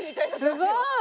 すごい！